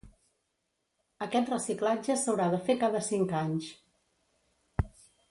Aquest reciclatge s'haurà de fer cada cinc anys.